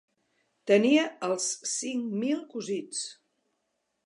Tenia els cinc mil cosits!